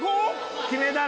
決めたな！